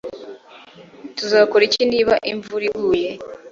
Tuzakora iki niba imvura iguye